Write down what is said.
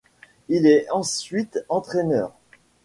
Il est ensuite entraîneur.